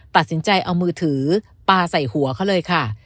ตัดสินใจเอามือถือปลาใส่หัวเขาเลยค่ะ